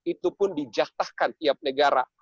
itu pun dijatahkan tiap negara